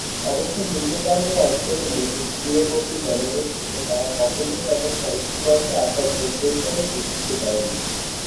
অবশ্য নিম্নগাঙ্গেয় অঞ্চলের নদীতীরবর্তী জনগোষ্ঠীকে তারা কখনোই তাদের সংস্পর্শে আসার যোগ্য হিসেবে স্বীকৃতি দেয়নি।